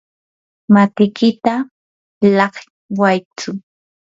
matikita llaqwaytsu.